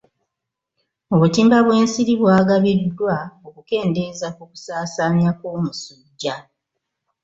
Obutimba bw'ensiri bwagabiddwa okukendeeza ku kusaasaanya kw'omusujja.